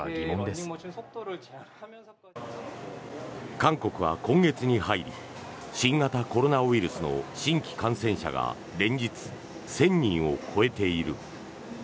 韓国は今月に入り新型コロナウイルスの新規感染者が連日１０００人を超えている。